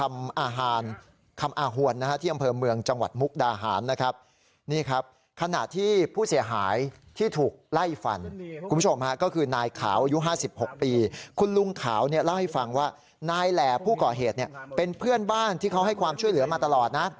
อ้าวอยู่ไหนอยู่ไหนอยู่ไหนคุณหาเจอยัง